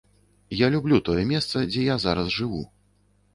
Я люблю тое месца, дзе я зараз жыву.